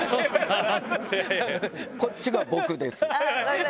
こっちが僕です。